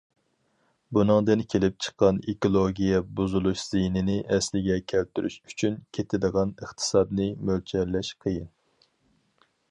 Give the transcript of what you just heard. بۇنىڭدىن كېلىپ چىققان ئېكولوگىيە بۇزۇلۇش زىيىنىنى ئەسلىگە كەلتۈرۈش ئۈچۈن كېتىدىغان ئىقتىسادنى مۆلچەرلەش قىيىن.